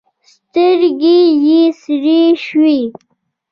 سترګې یې سرې شوې.